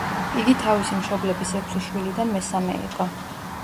იგი თავისი მშობლების ექვსი შვილიდან მესამე იყო.